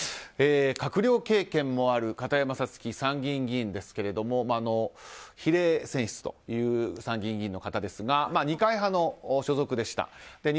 閣僚経験もある片山さつき参議院議員ですけども比例選出という参議院議員の方ですが二階派の所属でした。